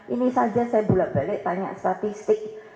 ini saja saya bolak balik tanya statistik